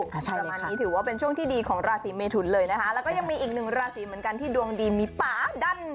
ประมาณนี้ถือว่าเป็นช่วงที่ดีของราศีเมทุนเลยนะคะแล้วก็ยังมีอีกหนึ่งราศีเหมือนกันที่ดวงดีมีป่าดัน